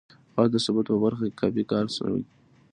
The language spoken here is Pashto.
د غږ د ثبت په برخه کې کافی کار شوی